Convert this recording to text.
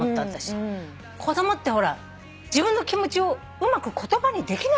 子供ってほら自分の気持ちをうまく言葉にできないもんね。